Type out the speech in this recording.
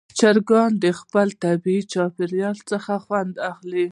چرګان د خپل طبیعي چاپېریال څخه خوښ دي.